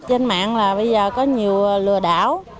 trên mạng là bây giờ có nhiều lừa đảo